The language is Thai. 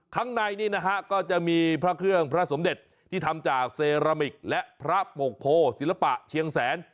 ข้างในนี่นะฮะก็จะมีพระเครื่องพระสมเด็จที่ทำจากเซรามิกและพระปกโพศิลปะเชียงแสน